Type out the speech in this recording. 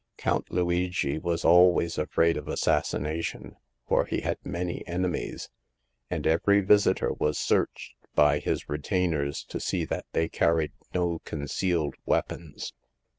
Count Luigi was always afraid of assassination, for he had many enemies; and every visitor was searched by his retainers to see that they carried no concealed weapons.